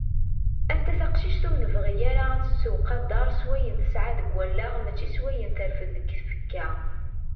Anta taqcict ur nebɣi ara ad tettwaqader s wayen tesɛa deg wallaɣ mačči s wayen terfed deg tfekka.